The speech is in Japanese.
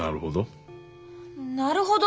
なるほど。